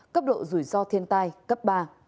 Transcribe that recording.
cấp độ rủi ro thiên tai cấp ba